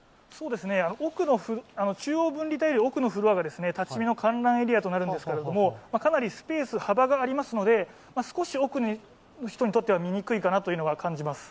中央分離帯より奥のところが立ち見の観覧エリアとなるんですけど、かなりスペース、幅がありますので、少し奥の人にとっては見にくいかなというのは感じます。